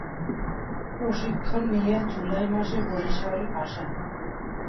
প্রশিক্ষণ নিয়ে জুলাই মাসে বরিশাল আসেন।